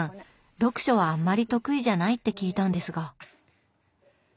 読書はあんまり得意じゃないって聞いたんですが。